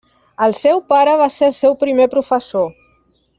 El seu pare va ser el seu primer professor.